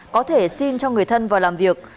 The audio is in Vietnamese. có thể xin cho người thân vào làm việc